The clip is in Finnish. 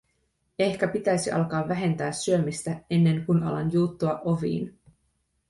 Ehkä pitäisi alkaa vähentää syömistä, ennen kuin alan juuttua oviin.